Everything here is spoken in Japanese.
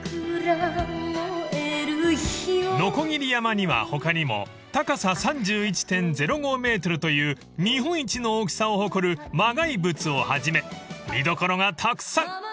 ［鋸山には他にも高さ３１．０５ｍという日本一の大きさを誇る磨崖仏をはじめ見どころがたくさん］